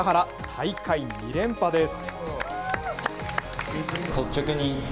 大会２連覇です。